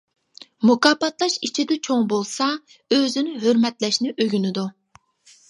مۇكاپاتلاش ئىچىدە چوڭ بولسا، ئۆزىنى ھۆرمەتلەشنى ئۆگىنىدۇ.